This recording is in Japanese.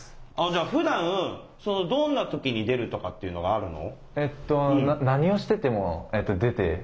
じゃあふだんどんな時に出るとかっていうのがあるの？